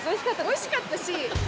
おいしかったし。